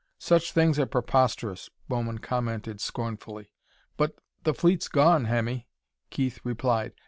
"Such things are preposterous," Bowman commented scornfully. "But the fleet's gone, Hemmy," Keith replied.